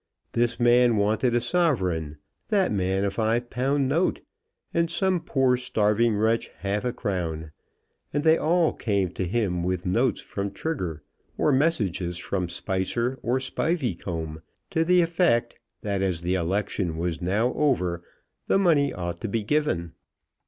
This man wanted a sovereign, that man a five pound note, and some poor starving wretch a half a crown; and they all came to him with notes from Trigger, or messages from Spicer or Spiveycomb, to the effect that as the election was now over, the money ought to be given.